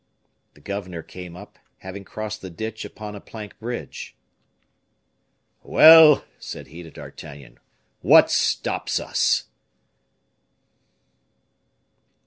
The governor came up, having crossed the ditch upon a plank bridge. "Well!" said he to D'Artagnan, "what stops us?"